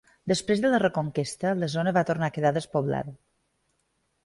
Després de la reconquesta, la zona va tornar a quedar despoblada.